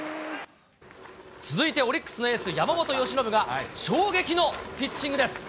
続いてオリックスのエース、山本由伸が、衝撃のピッチングです。